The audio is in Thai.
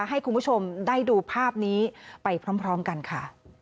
ให้คุณผู้ชมได้ดูภาพนี้ไปพร้อมกันค่ะ